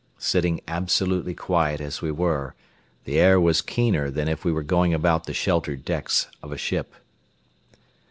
Sitting absolutely quiet as we were, the air was keener than if we were going about the sheltered decks of a ship.